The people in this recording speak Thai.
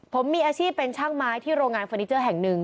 ผมมีอาชีพเป็นช่างไม้ที่โรงงานเฟอร์นิเจอร์แห่งหนึ่ง